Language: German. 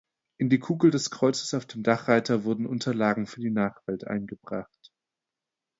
In die Kugel des Kreuzes auf dem Dachreiter wurden Unterlagen für die Nachwelt eingebracht.